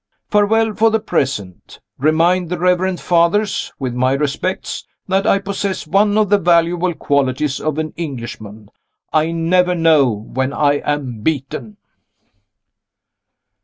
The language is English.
Farewell for the present. Remind the Reverend Fathers, with my respects, that I possess one of the valuable qualities of an Englishman I never know when I am beaten.